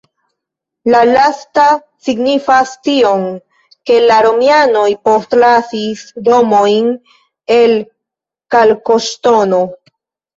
La lasta signifas tion, ke la romianoj postlasis domojn el kalkoŝtono.